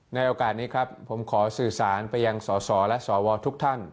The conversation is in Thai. ในโอกาสนี้ครับผมขอสื่อสารไปยังสสและสวทุกท่าน